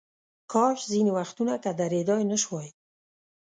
کاش ځینې وختونه که درېدای نشوای.